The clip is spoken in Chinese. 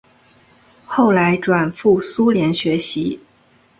后来转赴苏联学习。